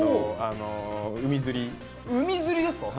海釣りですか？